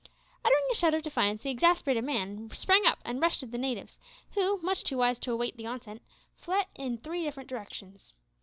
Uttering a shout of defiance, the exasperated man sprang up and rushed at the natives, who, much too wise to await the onset, fled in three different directions.